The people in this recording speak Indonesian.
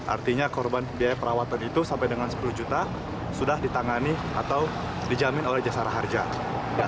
artinya korban biaya perawatan itu sampai dengan sepuluh juta sudah ditangani atau dijamin oleh jasara harjana